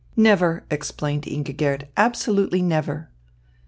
"Never!" explained Ingigerd. "Absolutely never."